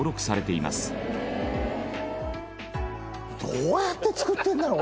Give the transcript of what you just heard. どうやって作ってるんだろう？